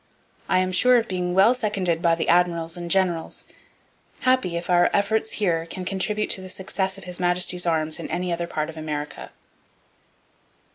I am sure of being well seconded by the admirals and generals; happy if our efforts here can contribute to the success of His Majesty's arms in any other part of America.